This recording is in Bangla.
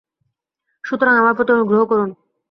সুতরাং আমার প্রতি অনুগ্রহ করুন।